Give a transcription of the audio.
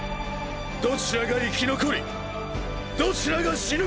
どちらが生き残りどちらが死ぬか。